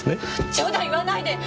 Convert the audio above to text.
冗談言わないで！